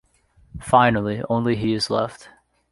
Finally, only he is left.